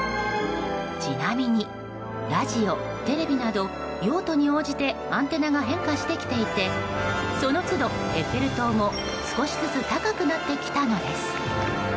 ちなみに、ラジオ、テレビなど用途に応じてアンテナが変化してきていてその都度エッフェル塔も少しずつ高くなってきたのです。